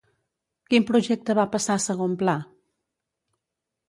Quin projecte va passar a segon pla?